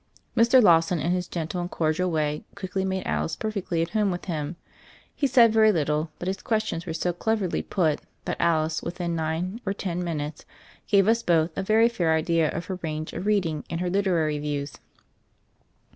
Mr. Lawson, in his gentle and cordial way, quickly made Alice perfectly at home with him. He said very little, but his questions were so cleverly put that Alice within nine or ten min utes gave us both a very fair idea of her range of reading and her literary views.